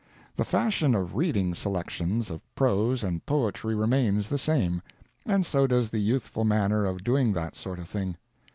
The fashion of reading selections of prose and poetry remains the same; and so does the youthful manner of doing that sort of thing.